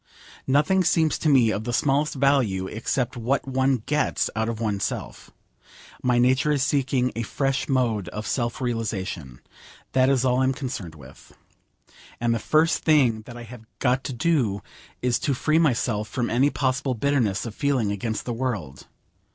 Nothing seems to me of the smallest value except what one gets out of oneself. My nature is seeking a fresh mode of self realisation. That is all I am concerned with. And the first thing that I have got to do is to free myself from any possible bitterness of feeling against the world.